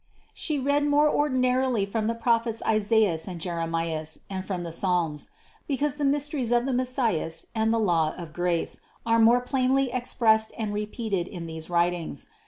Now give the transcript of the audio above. She read more ordinarily from the prophets Isaias and Jeremias and from the Psalms, because the mysteries of the Messias and the law of grace are more plainly expressed and repeated in these writings.